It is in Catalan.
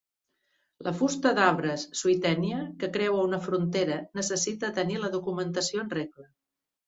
La fusta d'arbres "Swietenia" que creua una frontera necessita tenir la documentació en regla.